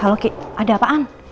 halo ki ada apaan